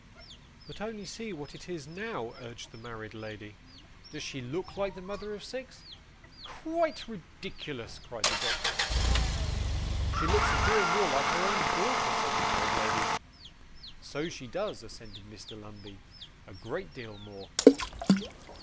'But only see what it is now,' urged the married lady. 'Does SHE look like the mother of six?' 'Quite ridiculous,' cried the doctor. 'She looks a deal more like her own daughter,' said the married lady. 'So she does,' assented Mr. Lumbey. 'A great deal more.